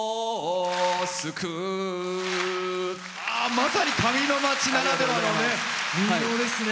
まさに紙のまちならではの民謡ですね。